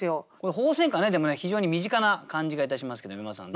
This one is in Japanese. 鳳仙花ねでもね非常に身近な感じがいたしますけど山田さん